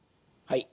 はい。